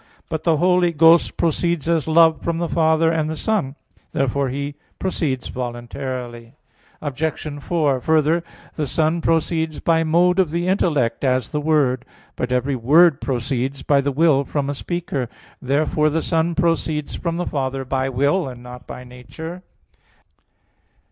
But the Holy Ghost proceeds as Love from the Father and the Son. Therefore He proceeds voluntarily. Obj. 4: Further, the Son proceeds by mode of the intellect, as the Word. But every word proceeds by the will from a speaker. Therefore the Son proceeds from the Father by will, and not by nature.